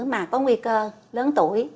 mà có nguy cơ lớn tuổi